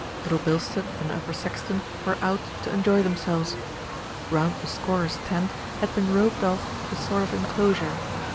Little Bil stead and Upper Saxton were out to enjoy themselves. Round the scorers' tent had been roped off a sort of enclosure.